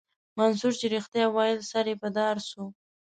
منصور چې رښتيا ويل سر يې په دار سو.